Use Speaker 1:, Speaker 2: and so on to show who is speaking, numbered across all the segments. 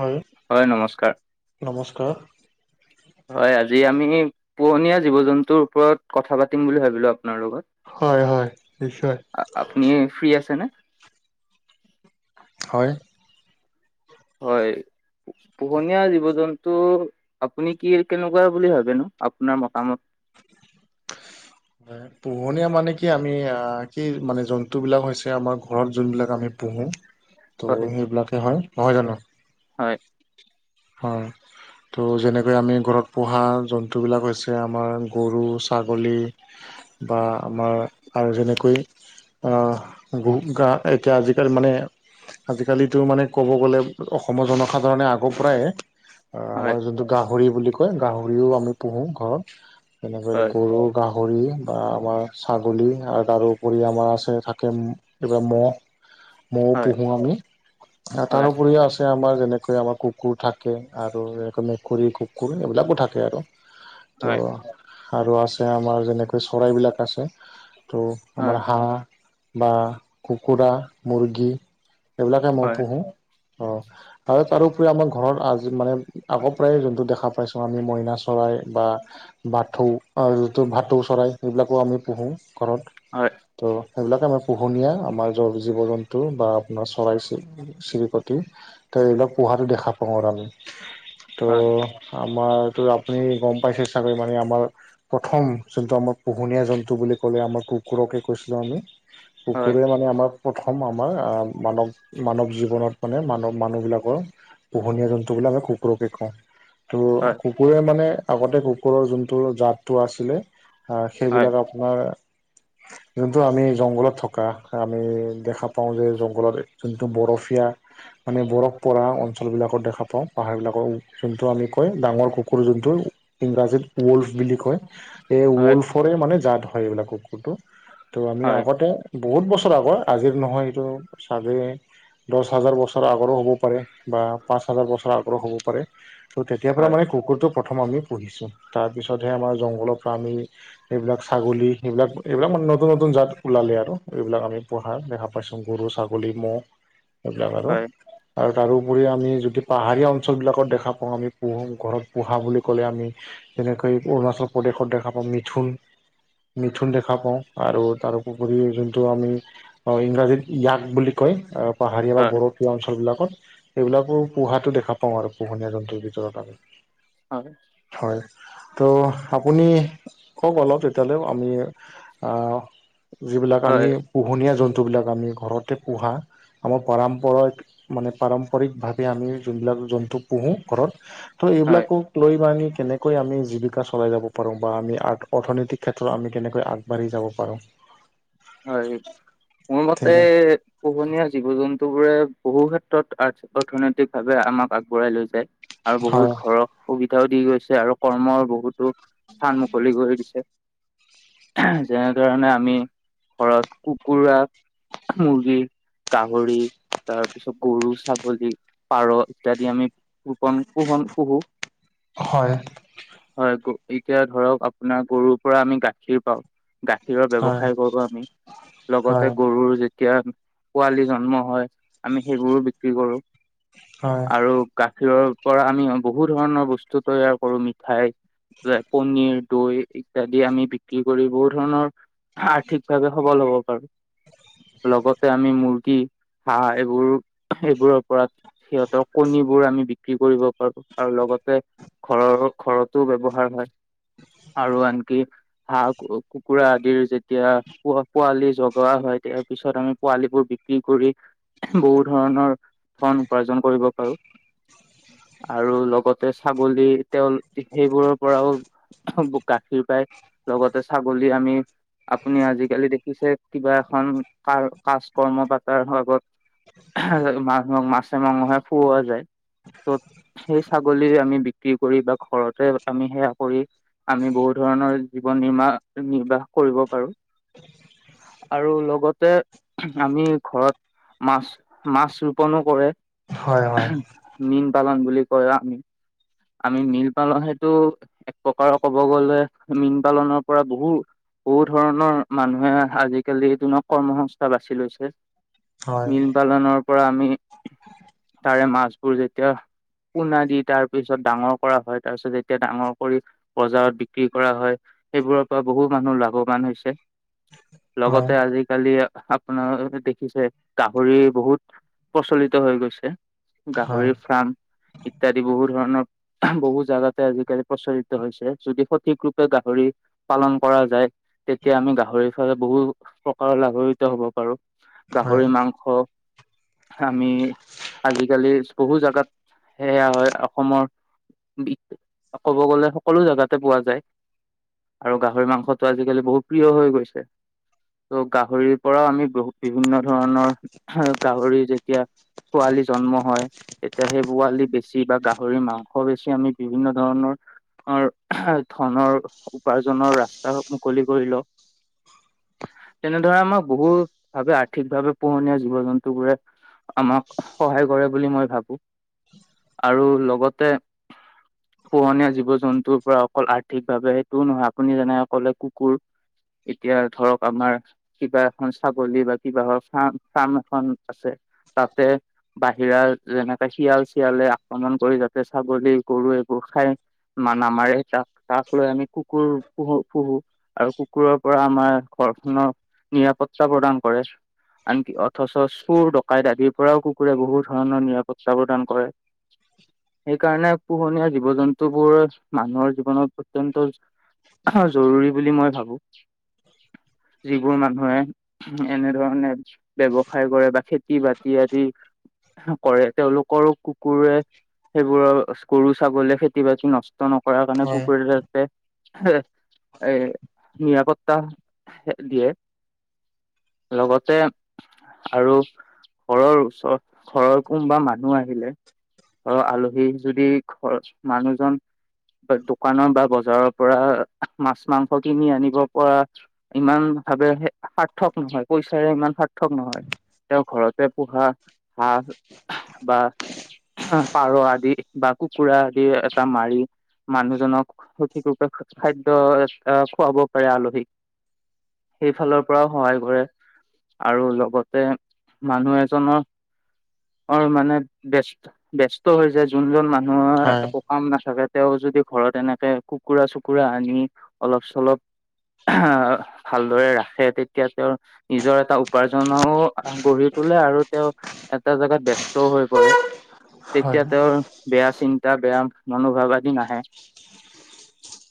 Speaker 1: হয়
Speaker 2: হয়, নমস্কাৰ।
Speaker 1: নমস্কাৰ।
Speaker 2: হয় আজি আমি, পোহনীয়া জীৱ জন্তুৰ ওপৰত কথা পাতিম বুলি ভাবিলোঁ আপোনাৰ লগত।
Speaker 1: হয়, হয়, নিশ্চয়।
Speaker 2: আপুনি ফ্ৰী আছে নে?
Speaker 1: হয়।
Speaker 2: হয়। পোহনীয়া জীৱ জন্তু, আপুনি কি কেনেকুৱা বুলি ভাবেনো আপোনাৰ মতামত।
Speaker 1: [unintelligible] পোহনীয়া মানে কি আমি কি মানে, জন্তুবিলাক হৈছে আমাৰ ঘৰত যোনবিলাক আমি পোহোঁ।
Speaker 2: [inaudible]
Speaker 1: ত' সেইবিলাকে হয়, নহয় জানো?
Speaker 2: হয়।
Speaker 1: হয়। তো, যেনেকৈ আমি ঘৰত পোহা জন্তুবিলাক হৈছে, আমাৰ গৰু, ছাগলী বা আমাৰ, আৰু যেনেকৈ গা এতিয়া, আজিকালি মানে আজিকালিটো মানে ক'ব গ'লে, অসমৰ জনসাধাৰণে আগ
Speaker 2: হয়
Speaker 1: আমাৰ যোনটো গাহৰি বুলি কয়, গাহৰিও আমি পোহোঁ ঘৰত। তেনেকে
Speaker 2: হয়
Speaker 1: গৰু গাহৰি, বা আমাৰ ছাগলী, আৰু তাৰ উপৰি আমাৰ আছে, থাকে মহ মহ পোহোঁ আমি,
Speaker 2: হয়
Speaker 1: তাৰোপৰিও আছে আমাৰ যেনেকৈ, আমাৰ কুকুৰ কুকুৰ থাকে, আৰু এনেকৈ মেকুৰী কুকুৰ এইবিলাকো থাকে আৰু, তো
Speaker 2: হয় হয়
Speaker 1: আৰু আছে, আমাৰ যেনেকৈ চৰাইবিলাক আছে, ত'
Speaker 2: হয়
Speaker 1: আমাৰ হাঁহ বা, কুকুৰা, মুৰ্গী, এইবিলাকে মই
Speaker 2: হয়
Speaker 1: পোহোঁ। অ', তাৰ তাৰোপৰি আমাৰ ঘৰত আজি মানে, আগৰ পৰাই যোনটো দেখা পাইছোঁ আমি, মইনা চৰাই, বা বাথৌ, যিটো ভাটৌ, চৰাই সেইবিলাকো আমি পোহোঁ ঘৰত।
Speaker 2: হয়
Speaker 1: ত', সেইবিলাকে আমাৰ পোহনীয়া, আমাৰ জীৱ জন্তু, বা আপোনাৰ চৰাই চিৰিকটি চিৰিকতি, ত ', এইবিলাক পোহাঁটো দেখা পাওঁ আৰু আমি, ত'
Speaker 2: হয়
Speaker 1: আমাৰ ত' আপুনি গম পাইছে চাগে মানে, আমাৰ প্ৰথম, যোনটো আমাৰ পোহনীয়া জন্তু বুলি ক'লে, আমাৰ কুকুৰকে কৈছিলোঁ আমি।
Speaker 2: হয়
Speaker 1: কুকুৰে মানে আমাৰ প্ৰথম আমাৰ মানৱ মানৱ জীৱনত মানে মানৱ মানুহবিলাকৰ। পোহনীয়া জন্তু বিলাক আমি কুকুৰকে খুৱাও তো
Speaker 2: হয়
Speaker 1: কুকুৰ। কুকুৰে মানে আগতে কুকুৰৰ যোনটো জাতটো আছিলে।
Speaker 2: হয়
Speaker 1: সেইবিলাক আপোনাৰ যোনটো আমি জংঘলত থকা আমি দেখা পাওঁ যে, জংঘলত যোনটো বৰফীয়া মানে বৰফ পৰা অঞ্চলবিলাকত দেখা পাওঁ, পাহাৰবিলাকৰ যোনটো আমি কয় ডাঙৰ কুকুৰ যোনটো। ইংৰাজীত ওৱল্ভ বুলি কয়। এই
Speaker 2: হয় হয়
Speaker 1: ওলফৰে মানে জাত হয় এইবিলাক কুকুৰটো ত' আমি
Speaker 2: হয়
Speaker 1: আগতে বহুত বছৰ আগৰ আজিৰ নহয় এইটো চাগে দহ হাজাৰ বছৰ আগৰো হ'ব পাৰে। বা পাঁচ হাজাৰ বছৰ আগৰো হ'ব পাৰে ত' তেতিয়া পৰা মানে কুকুৰটো। প্ৰথম আমি পুহিছোঁ তাৰপিছতহে আমাৰ জংঘলৰ পৰা আমি এইবিলাক ছাগলী সেইবিলাক এইবিলাক মানে নতুন নতুন জাত ওলালে আৰু এইবিলাক আমি পুহা দেখা পাইছোঁ গৰু ছাগলী ম'হ।
Speaker 2: উম।
Speaker 1: সেইবিলাক আৰু। আৰু তাৰোপৰি আমি যদি পাহাৰীয়া অঞ্চলবিলাকত দেখা পাওঁ আমি পুহু ঘৰত পোহা বুলি ক'লে আমি। যেনেকৈ অৰুণাচল প্ৰদেশত দেখা পাওঁ মিথুন। মিথুন দেখা পাওঁ আৰু তাৰ উপৰিও যোনটো আমি অ' ইংৰাজীত য়াক বুলি কয়, পাহাৰীয়া বা
Speaker 2: হয়
Speaker 1: বড়ো টিয়া অঞ্চলবিলাকত। সেইবিলাকো পোহাতটো দেখা পাওঁ আৰু পোহনীয়া জন্তুৰ ভিতৰত আমি।
Speaker 2: হয়।
Speaker 1: হয় ত' আপুনি ক'ক অলপ তেতিয়ালৈ আমি আহ, যিবিলাক
Speaker 2: হয়
Speaker 1: আমি পোহনীয়া জন্তুবিলাক আমি ঘৰতে পোহা আমাৰ পৰম্পৰা এক মানে। পাৰম্পৰিকভাৱে আমি যোনবিলাক জন্তু পোহো ঘৰত ত'
Speaker 2: হয়
Speaker 1: এইবিলাকক লৈ বা আমি কেনেকৈ কৈ আমি জীৱিকা চলাই যাব পাৰোঁ বা আমি অৰ্থনৈতিক ক্ষেত্ৰত আমি কেনেকৈ আগবাঢ়ি যাব পাৰোঁ।
Speaker 2: হয়, মোৰ
Speaker 1: ঠিক
Speaker 2: মতে
Speaker 1: আছে
Speaker 2: পোহনীয়া জীৱ জন্তু বোৰে বহু ক্ষেত্ৰত অৰ্থনৈতিক ভাৱে আমাক আগবঢ়াই লৈ যায়। আৰু
Speaker 1: হয়
Speaker 2: বহুত ঘৰত সুবিধাও দি গৈছে আৰু কৰ্মৰ বহুতো স্থান মুকলি কৰি দিছে। যেনেধৰণে আমি ঘৰত কুকুৰা, মুৰ্গী, গাহৰি, তাৰ পিছত গৰু, ছাগলী, পাৰ ইত্যাদি আমি কপন কুহন পুহু।
Speaker 1: হয়।
Speaker 2: হয় এতিয়া ধৰক আপোনাৰ গৰুৰ পৰা আমি গাখীৰ পাওঁ। গাখীৰৰ
Speaker 1: হয়
Speaker 2: ব্যৱসায় কৰো আমি, লগতে
Speaker 1: হয়
Speaker 2: গৰুৰ যেতি য়া পোৱালি জন্ম হয় আমি সেইবোৰো বিক্ৰী কৰো,
Speaker 1: হয়
Speaker 2: আৰু গাখীৰৰ পৰা আমি বহু ধৰণৰ বস্তু তৈয়াৰ কৰো, মিঠাই পনিৰ, দৈ ইত্যাদি আমি বিক্ৰী কৰি বহুত ধৰণৰ ঠিকভাবে সবল হব পাৰো। লগতে আমি মুৰ্গী হাঁহ এইবোৰ এইবোৰৰ পৰা সিহঁতৰ কণীবোৰ আমি বিক্ৰী কৰিব পাৰো। আৰু লগতে ঘৰৰ ঘৰতো ব্যৱহাৰ হয়। আৰু আনকি হাঁহ কু কুকুৰা আদিৰ যে তিয়া পো পোৱালি জগোৱা হয় তেয়াৰ পিছত আমি পোৱালিবোৰ বিক্ৰী কৰি বহু ধৰণৰ ধন উপাৰ্জন কৰিব পাৰো। আৰু লগতে ছাগলী তেঁও সেইবোৰৰ পৰাও গাখীৰ পায়, লগতে ছাগলী আমি আপুনি আজিকালি দেখিছে কিবা এখন ক কাজ কৰ্ম পাতাৰ ভাগত মাছ মাছে মাংহে খুওৱা যায়, ত'ত সেই ছাগলী আমি বিক্ৰী কৰি, বা ঘৰতে আমি সেৱা কৰি আমি বহু ধৰণৰ জীৱন নিৰ্বাহ কৰিব পাৰো। আৰু লগতে, আমি ঘৰত মাছ, মাছ ৰোপনো কৰে।
Speaker 1: হয় হয়।
Speaker 2: মীন পালন বুলি কয় আমি। আমি মীন পালন সেইটো, এক প্ৰকাৰৰ ক'ব গ'লে, মীন পালনৰ পৰা বহু বহু ধৰণৰ মানুহে আজিকালি, দিনক কৰ্ম সংস্থা বাছি লৈছে।
Speaker 1: হয়
Speaker 2: মীন পালনৰ পৰা আমি, তাৰে মাছবোৰ যেতিয়া পোনা দি তাৰ পিছত ডাঙৰ কৰা হয়, তাৰ পিছত যেতিয়া ডাঙৰ কৰি বজাৰত বিক্ৰী কৰা হয়, সেইবোৰৰ পৰা বহু মানুহ লাভ বান হৈছে,
Speaker 1: হয় হয়
Speaker 2: লগতে আজিকালি আপোনাৰ দেখিছে, গাহৰি বহুত প্ৰচলিত হৈ গৈছে।
Speaker 1: হয়
Speaker 2: গাহৰি ফাৰ্ম, ইত্যাদি বহুত ধৰণৰ বহু জাগাতে আজিকালি প্ৰচলিত হৈছে। যদি সঠিক ৰূপে গাহৰি পালন কৰা যায় তেতিয়া আমি গাহৰি, বহু প্ৰকাৰৰ লাভানিত হ'ব পাৰো। গাহৰি মাংস আমি, আজিকালি বহু জোগাত, সেয়া হয়। অসমৰ ক'ব গ'লে সকলো জাগাতে পোৱা যায়। আৰু গাহৰি মাংস টো আজিকালি বহু প্ৰিয় হৈ গৈছে। ত' গাহৰিৰ পৰাও আমি বহু বিভিন্ন ধৰণৰ, গাহৰি যেতিয়া পোৱালি জন্ম হয় তেতিয়া সেই পোৱালী বেছি, বা গাহৰি মাংস বেছি আমি বিভিন্ন ধৰণৰ ধনৰ, উপাৰ্জনৰ ৰাস্তা মুকলি কৰিল লওঁ তেনেদৰে আমাক বহুত ভাৱে, আৰ্থিকভাৱে পোহনীয়া জীৱ জন্তু বোৰে আমাক সহায় কৰে বুলি মই ভাবোঁ, আৰু লগতে পোহনীয়া জীৱ জন্তুৰ পৰা অকল আৰ্থিকভাৱে সেইটোও নহয়, আপুনি যেনেকে ক'লে কুকুৰ এতিয়া ধৰক আমাৰ কিবা এখন ছাগলী বা কিবা ফা ফাৰ্ম এখন আছে, তাতে বাহিৰা যেনেকে শিয়াল চিয়ালে আক্ৰমণ কৰি যাতে ছাগলী, গৰু এইবোৰ খাই মা, নমাৰে তাক লৈ আমি কুকুৰ পোহোঁ। পুহোঁ, আৰু কুকুৰৰ পৰা আমাৰ ঘৰখনৰ নিৰাপত্তা প্ৰদান কৰে। আনকি অথচ, চোৰ ডকাইত আদিৰ পৰাও কুকুৰে বহুত ধৰণৰ নিৰাপত্তা প্ৰদান কৰে। সেইকাৰণে, পোহনীয়া জীৱ জন্তুবোৰৰ মানুহৰ জীৱনত অত্যন্ত জৰুৰী বুলি মই ভাবো, যিবোৰ মানুহে এনেধৰণে ব্যৱসায় কৰে, বা খেতি বাতি আদি কৰে, তেওঁলোকৰো কুকুৰে সেইবোৰৰ গৰু, ছাগলীয়ে খেতি বাতি নষ্ট নকৰা
Speaker 1: হয়
Speaker 2: কাৰণে,
Speaker 1: হয়
Speaker 2: কুকুৰে যাতে এ, নিৰাপত্তা দিয়ে, লগতে আৰু, ঘৰৰ ওচৰ, ঘৰৰ কোনোবা মানুহ আহিলে আৰু আলহী যদি, ঘৰৰ মানুহজন দোকানৰ বা বজাৰৰ পৰা, মাছ মাংস কিনি আনিব পৰা ইমান ভাবে সাৰ্থক নহয়, পইচাৰে ইমান সাৰ্থক নহয়। তেওঁ ঘৰতে পোহাঁ, হাঁহ বা পাৰ আদি, বা কুকুৰা আদি এটা মাৰি মানুহজনক সঠিক ৰূপে, খাদ্য খুৱাব পাৰে আলহীক। সেইফালৰ পৰাও সহায় কৰে। আৰু লগতে মানুহ এজনৰ অ ', মানে বেষ্ট, বেষ্ট টো হৈ যায়, যোনজন মানুহৰ একো কাম নাথাকে তেওঁ যদি ঘৰত এনেকে কুকুৰা আনি, অলপ চলপ ভালদৰে ৰাখে তেতিয়া, তেওঁ নিজৰ এটা উপাৰ্জনও গঢ়ি তোলে, আৰু তেওঁ এটা জেগাত ব্যস্তও হৈ পৰে।
Speaker 1: হয়
Speaker 2: তেতিয়া
Speaker 1: হয়
Speaker 2: তেওঁৰ বেয়া চিন্তা, বেয়া মনোভাৱ আদি, নাহে।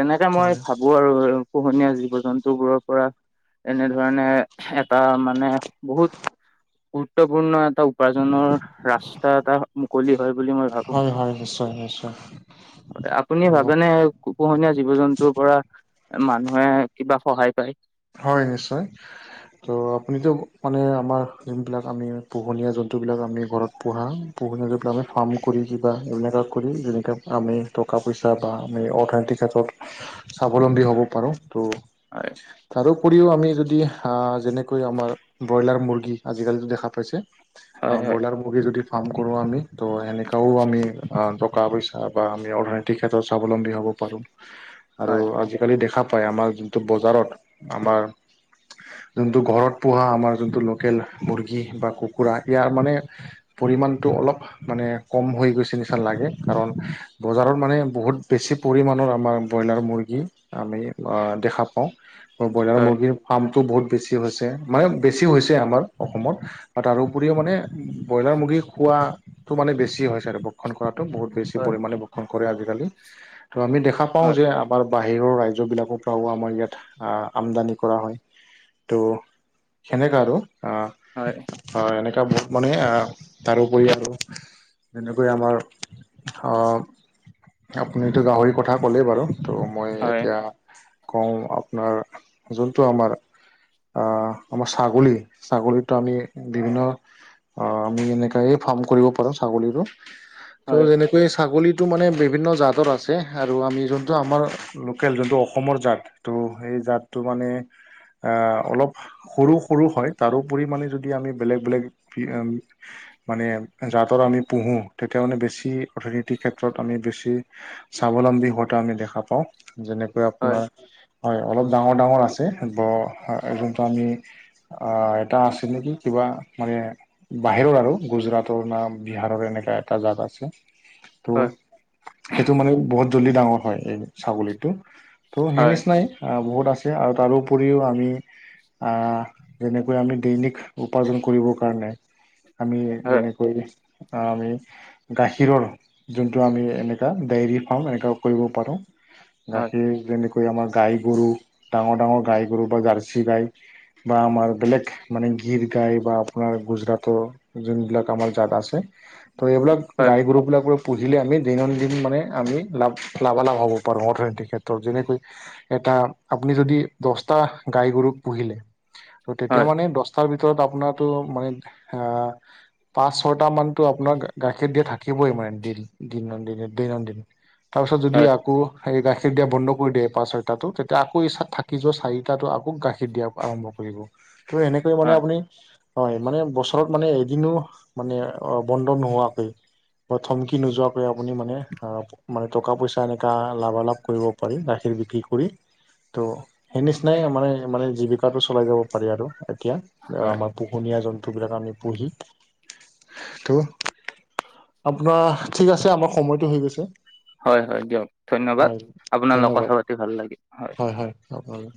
Speaker 2: তেনেকে মই
Speaker 1: হয়
Speaker 2: ভাবো আৰু, পোহনীয়া জীৱ জন্তু বোৰৰ পৰা এনেধৰণে, এটা মানে বহুত গুৰুত্বপূৰ্ণ এটা উপাৰ্জনৰ ৰাস্তা এটা, মুকলি হয় বুলি মই ভাবো
Speaker 1: হয় হয়, নিশ্চয়, নিশ্চয়।
Speaker 2: আপুনি ভাবেনে পোহনীয়া জীৱ জন্তুৰ পৰা, মানুহে কিবা সহায় পায়।
Speaker 1: হয়, নিশ্চয়। ত' আপুনিটো মানে আমাৰ, যোনবিলাক আমি পোহনীয়া জন্তুবিলাক আমি ঘৰত পোহাঁ পোহনীয়া যিবিলাক আমি ফাৰ্ম কৰি, কিবা এইবিলাক কৰি যেনেকৈ আমি টকা পইচা বা, আমি অৰ্থনৈতিক ক্ষেত্ৰত স্বাৱলম্বী হ'ব পাৰো, ত'
Speaker 2: হয়।
Speaker 1: তাৰোপৰিও আমি যদি, যেনেকৈ আমাৰ ব্ৰইলাৰ মুৰ্গী, আজিকালিটো দেখা পাইছে অ',
Speaker 2: হয়
Speaker 1: ব্ৰইলাৰ যদি ফাৰ্ম কৰোঁ আমি, ত' সেনেকেও আমি টকা পইচা, বা আমি অৰ্থনৈতিক এই‌ ক্ষেত্ৰত স্বাৱলম্বী হ'ব পাৰোঁ।
Speaker 2: [inaudible]
Speaker 1: আৰু আজিকালি দেখা পায়, আমাৰ যোনটো বজাৰত আমাৰ যোনটো ঘৰত পোহাঁ আমাৰ যোনটো, লোকেল মুৰ্গী, বা কুকুৰা ইয়াৰ মানে পৰিমাণটো অলপ মানে কম হৈ গৈছে নিচিনা লাগে, কাৰণ বজাৰত মানে, বহুত বেছি পৰিমাণৰ আমাৰ ব্ৰইলাৰ মুৰ্গী আমি দেখা পাওঁ, আৰু ব্ৰইলাৰ
Speaker 2: হয়
Speaker 1: মুৰ্গীৰ ফাৰ্মটো বহুত বেছি হৈছে, মানে বেছি হৈছে আমাৰ অসমত। বা তাৰোপৰিও মানে, ব্ৰইলাৰ মুৰ্গী খোৱাটো মানে বেছি হৈছে আৰু। ভক্ষণ কৰাটো, বহুত বেছি
Speaker 2: হয়
Speaker 1: পৰিমাণে ভক্ষণ কৰে আজিকালি, ত' আমি দেখা পাওঁ
Speaker 2: হয়
Speaker 1: যে আমাৰ বাহিৰৰ ৰাজ্যবিলাকৰ পৰাও আমাৰ ইয়াত আমদানি কৰা হয়, ত' সেনেকা আৰু।
Speaker 2: হয়।
Speaker 1: হয়, এনেকুৱা বহুত মানে তাৰোপৰি আৰু যেনেকৈ আমাৰ, অ' আপুনিটো গাহৰি কথা ক'লেই বাৰু, ত' মই
Speaker 2: হয়
Speaker 1: এতিয়া কওঁ আপোনাৰ, যোনটো আমাৰ আহ, আমাৰ ছাগলী, ছাগলীটো আমি বিভিন্ন অ', আমি এনেকাই ফাৰ্ম কৰিব পাৰোঁ ছাগলীৰো, ত'
Speaker 2: হয়
Speaker 1: যেনে ছাগলীটো মানে বিভিন্ন জাতৰ আছে, আৰু আমি যোনটো আমাৰ লোকেল, যোনটো অসমৰ জাত, ত' সেই জাতটো মানে অলপ সৰু সৰু হয়, তাৰোপৰি মানে যদি আমি বেলেগ বেলেগ মানে জাতৰ আমি পোহোঁ, তেতিয়া মানে বেছি অৰ্থনীতিৰ ক্ষেত্ৰত আমি বেছি স্বাৱলম্বী হোৱাাটো আমি দেখা পাওঁ, যেনেকৈ
Speaker 2: হয়
Speaker 1: আপোনাৰ হয়, অলপ ডাঙৰ ডাঙৰ আছে, ব যোনটো আমি এটা আছে নেকি? কিবা মানে বাহিৰৰ আৰু, গুজৰাটৰ না বিহাৰৰ এনেকা এটা জাত আছে ত',
Speaker 2: হয়
Speaker 1: সেইটো মানে বহুত জল্দি ডাঙৰ হয়, এই ছাগলীটো। ত' সেই
Speaker 2: হয়
Speaker 1: নিচিনাই, বহুত আছে আৰু তাৰোপৰিও আমি যেনেকৈ আমি দৈনিক উপাৰ্জন কৰিবৰ কাৰণে আমি
Speaker 2: হয় হয়
Speaker 1: যেনেকৈ আমি গাখীৰৰ যোনটো আমি এনেকুৱা, ডেইলি ফাৰ্ম এনেকুৱা কৰিব পাৰোঁ।
Speaker 2: হয়
Speaker 1: গাখীৰ যেনেকৈ আমাৰ গাই গৰু, ডাঙৰ ডাঙৰ গাই গৰু, বা জাৰ্চি গাই বা আমাৰ বেলেগ মানে গীৰ গাই, বা আপোনাৰ গুজৰাটৰ যোনবিলাক আমাৰ জাত আছে। ত' এইবিলাক গাই গৰুবিলাক পুহিলে আমি দৈনন্দিন মানে আমি লাভ লাভালাভ হ'ব পাৰো অৰ্থনৈতিক ক্ষেত্ৰত। যেনেকৈ এটা আপুনি যদি দহটা গাই গৰুক পুহিলে, ত'
Speaker 2: হয়
Speaker 1: তেতিয়া
Speaker 2: হয়
Speaker 1: মানে দহ তাৰ ভিতৰত আপোনাৰটো মানে অ' পাঁচ ছয়টা মানটো আপোনাৰ গাখীৰ দিয়া থাক থাকিব মানে দি দৈনন্দিন দৈনন্দিনয় তাৰপিছত যদি আকৌ সেই গাখীৰ দিয়া বন্ধ কৰি দিয়ে পাঁচ ছয় তাটো, তেতিয়া আকৌ এই থাকি যোৱা চাৰিটাতো আকৌ গাখীৰ দিয়া আৰম্ভ কৰিব। ত' এনেক মানে আপুনি হয় মানে বছৰত মানে এদিনো মানে অ' বন্ধ নোহোৱাকৈ অ', থমকি নোযোৱাকৈ আপুনি মানে আহ মানে টকা পইচা এনেকা লাভালাভ কৰিব পাৰি গাখীৰ বিক্ৰী কৰি। ত' সেই নিচিনাই মানে মানে জীৱিকাটো চলাই যাব পাৰি আৰু এতিয়া।
Speaker 2: হয়
Speaker 1: অ',
Speaker 2: হয়
Speaker 1: আমাৰ পোহনীয়া জন্তুবিলাক আমি পুহি। ত' আপোনাৰ ঠিক আছে, আমাৰ সময়টো হৈ গৈছে।
Speaker 2: হয়, হয়, দিয়ক ধন্যবাদ!
Speaker 1: হয়
Speaker 2: আপোনাৰ লগত কথা
Speaker 1: ধন্যবাদ
Speaker 2: পাতি ভাল লাগিল হয়।
Speaker 1: হয়, হয়, আপোনালৈও।